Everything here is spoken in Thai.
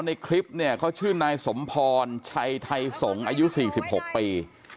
ในคลิปเนี่ยเขาชื่อนายสมพรชัยไทยสงฆ์อายุ๔๖ปี